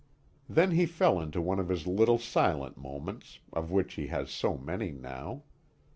Then he fell into one of his little silent moments, of which he has so many now.